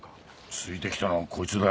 ⁉ついて来たのはこいつだ。